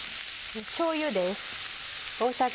しょうゆです。